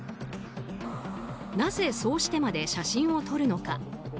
なぜそうしてまで写真を撮るのか。